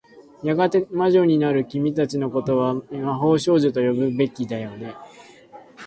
やがて魔女になる君たちの事は、魔法少女と呼ぶべきだよね。